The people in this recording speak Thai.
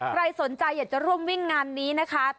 ใครสนใจอยากจะร่วมวิ่งงานนี้นะคะ